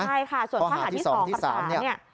ใช่ค่ะส่วนข้อหาที่๒และ๓